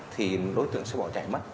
thì đối tượng sẽ bỏ chạy mất